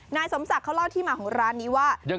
นายสมศักดิ์เขาเล่าที่มาของร้านนี้ว่า